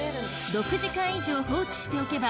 ６時間以上放置しておけば